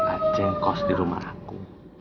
acing kos di rumah aku